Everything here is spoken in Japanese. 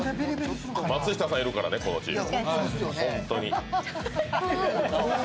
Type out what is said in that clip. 松下さんいるからね、このチーム。